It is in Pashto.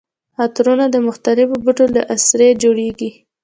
عطرونه د مختلفو بوټو له عصارې جوړیږي.